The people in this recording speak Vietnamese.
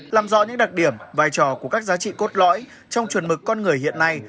làm rõ những đặc điểm vai trò của các giá trị cốt lõi trong chuẩn mực con người hiện nay